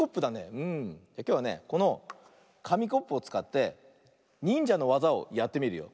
きょうはねこのかみコップをつかってにんじゃのわざをやってみるよ。